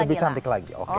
lebih cantik lagi oke